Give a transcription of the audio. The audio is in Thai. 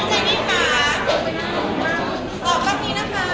ที่เจนนี่ของกล้องนี้นะคะ